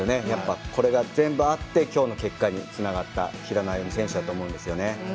やっぱりこれが全部あってきょうの結果につながった平野歩夢選手だと思うんです。